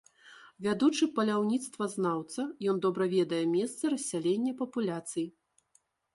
Вядучы паляўніцтвазнаўца, ён добра ведае месцы рассялення папуляцый.